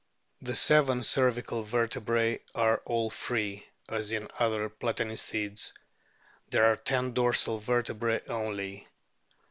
The seven cervical vertebrae are all free, as in other Platanistids ; there are ten dorsal vertebrae only.